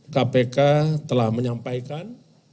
kpk telah menyampaikan